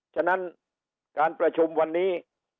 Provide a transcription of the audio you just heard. ฉะนั้นการประชุมวันนี้